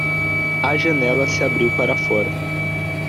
A janela se abriu para fora.